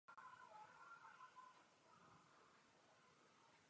Sledování méně zjevných záležitostí rovněž považuji za prospěšné.